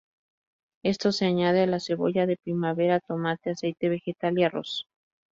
Esto se añade a la cebolla de primavera, tomate, aceite vegetal y arroz.